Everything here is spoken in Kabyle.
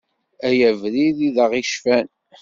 Ay abrid i d aɣ-icfan.